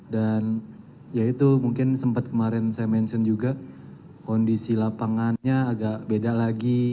ya itu mungkin sempat kemarin saya mention juga kondisi lapangannya agak beda lagi